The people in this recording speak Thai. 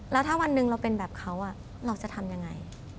แล้วถ้าวันหนึ่งเราเป็นแบบเขาเราจะทำยังไง